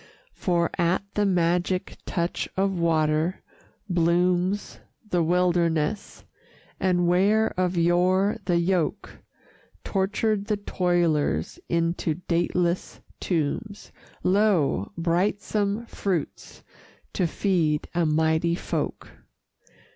For, at the magic touch of water, blooms The wilderness, and where of yore the yoke Tortured the toilers into dateless tombs, Lo! brightsome fruits to feed a mighty folk.